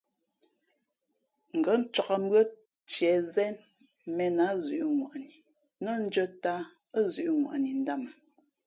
Ngα̌ ncāk mbʉ́ά tiēzēn mēn a zʉ̌ʼŋwαʼni nά ndʉ̄ᾱ tāā ά zʉʼ ŋwαʼni ndāmα.